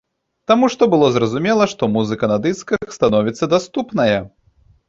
Таму што было зразумела, што музыка на дысках становіцца даступная.